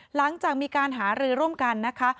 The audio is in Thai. หลังจากมีการหารือร่วมกันนะคะ